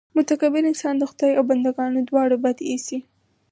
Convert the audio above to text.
متکبر انسان د خدای او بندګانو دواړو بد اېسي.